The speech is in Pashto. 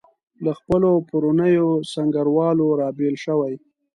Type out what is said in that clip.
له خپلو پرونیو سنګروالو رابېل شوي.